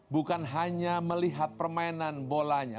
bukan hanya melihat permainan bolanya